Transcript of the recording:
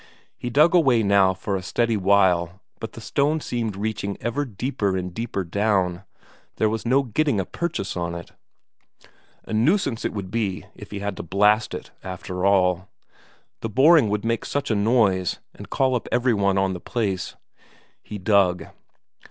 He dug away now for a steady while, but the stone seemed reaching ever deeper and deeper down, there was no getting a purchase on it. A nuisance it would be if he had to blast it, after all. The boring would make such a noise, and call up every one on the place. He dug.